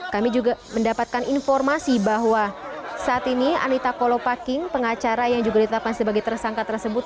kami juga mendapatkan informasi bahwa saat ini anita kolopaking pengacara yang juga ditetapkan sebagai tersangka tersebut